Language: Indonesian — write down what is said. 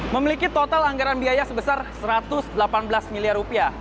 memiliki total anggaran biaya sebesar satu ratus delapan belas miliar rupiah